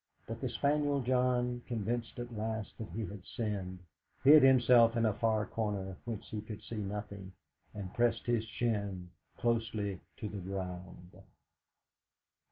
But the spaniel John, convinced at last that he had sinned, hid himself in a far corner whence he could see nothing, and pressed his chin closely to the ground.